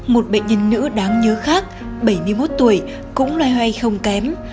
một bệnh nhân nữ đáng nhớ khác bảy mươi một tuổi cũng loay hoay không kém